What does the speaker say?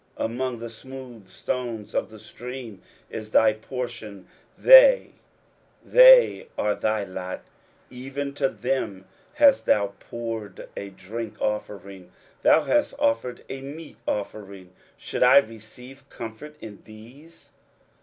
23:057:006 Among the smooth stones of the stream is thy portion; they, they are thy lot: even to them hast thou poured a drink offering, thou hast offered a meat offering. Should I receive comfort in these?